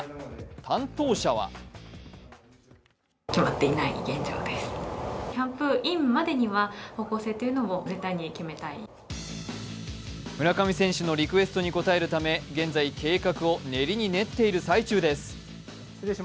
担当者は村上選手のリクエストに応えるため、現在計画を練りに練っている最中です。